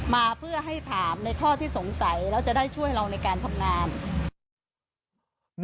มาเพื่อให้ถามในข้อที่สงสัยแล้วจะได้ช่วยเราในการทำงาน